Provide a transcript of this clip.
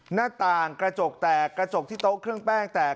หน้าต่างกระจกแตกกระจกที่โต๊ะเครื่องแป้งแตก